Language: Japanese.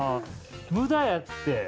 無駄やって。